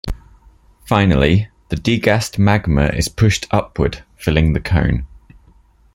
Finally, the degassed magma is pushed upward, filling the cone.